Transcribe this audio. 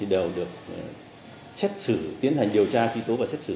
đều được xét xử tiến hành điều tra truy tố và xét xử